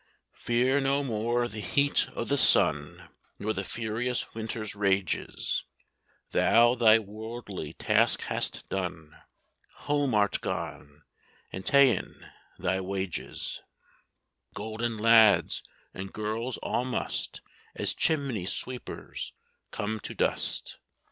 "Fear no more the heat o' the sun, Nor the furious winter's rages; Thou thy worldly task hast done, Home art gone, and ta'en thy wages: Golden lads and girls all must, As chimney sweepers, come to dust.